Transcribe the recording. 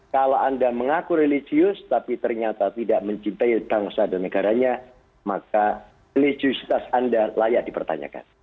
kalau anda mengaku religius tapi ternyata tidak mencintai bangsa dan negaranya maka religiusitas anda layak dipertanyakan